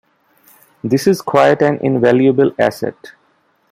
This is quite an invaluable asset.